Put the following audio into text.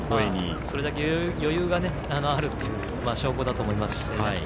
それだけ余裕があるという証拠だと思いますし。